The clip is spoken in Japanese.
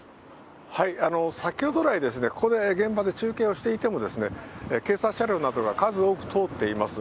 先ほど来ですね、ここで現場で中継をしていても、警察車両などが数多く通っています。